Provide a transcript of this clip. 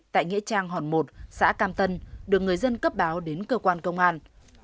tại nghĩa trang hòn một xã cam tân được người dân cấp báo đến cơ quan công an